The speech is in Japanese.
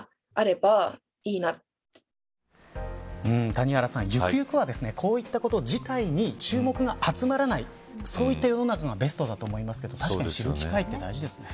谷原さん、ゆくゆくはこういったこと自体に注目が集まらないそういった世の中がベストだと思いますけどたしかに知る機会は大事です。